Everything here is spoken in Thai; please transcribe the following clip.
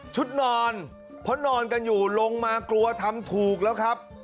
นอนเพราะนอนกันอยู่ลงมากลัวทำถูกแล้วครับ